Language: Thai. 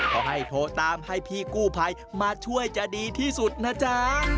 ก็ให้โทรตามให้พี่กู้ภัยมาช่วยจะดีที่สุดนะจ๊ะ